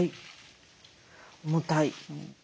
重たい。